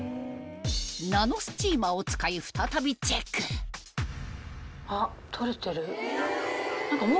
ナノスチーマーを使い再びチェックあっ取れてる。